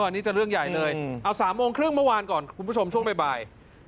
นี่จะเรื่องใหญ่เลยเอา๓โมงครึ่งเมื่อวานก่อนคุณผู้ชมช่วงบ่าย